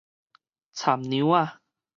蠶娘仔